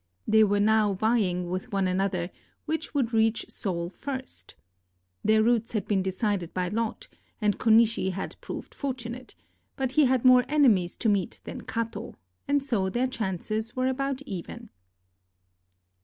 They were now vying with one another which would reach Seoul first. Their routes had been decided by lot, and Konishi had proved fortunate, but he had more enemies to meet than Kato, and so their chances were about even.